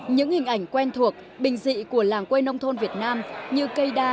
những hình ảnh quen thuộc bình dị của làng quê nông thôn việt nam như cây đa